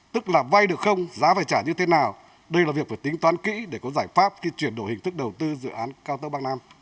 tức là vay được không giá phải trả như thế nào đây là việc phải tính toán kỹ để có giải pháp khi chuyển đổi hình thức đầu tư dự án cao tốc bang nam